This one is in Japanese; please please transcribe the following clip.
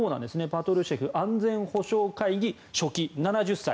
パトルシェフ安全保障会議書記７０歳。